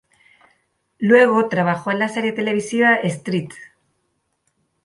Luego, trabajó en la serie televisiva "St.